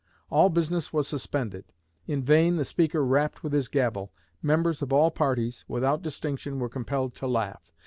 All business was suspended. In vain the Speaker rapped with his gavel. Members of all parties, without distinction, were compelled to laugh.